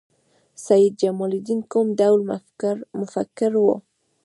سید جمال الدین کوم ډول مفکر و؟